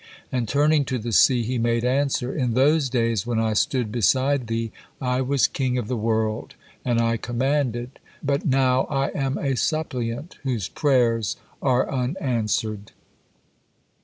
And turning to the sea, he made answer: "In those days, when I stood beside thee, I was king of the world, and I commanded, but not I am a suppliant, whose prayers are unanswered."